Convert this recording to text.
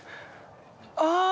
ああ。